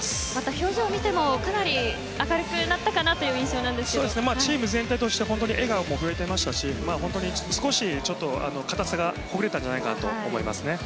表情を見てもかなり明るくなったかなというチーム全体として笑顔も増えていましたし本当に少し堅さがほぐれたんじゃないかなと思います。